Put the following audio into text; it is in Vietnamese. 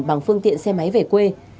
bằng phương tiện xe máy về quê